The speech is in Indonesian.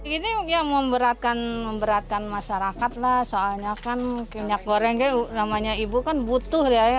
ini ya memberatkan masyarakat lah soalnya kan minyak goreng namanya ibu kan butuh ya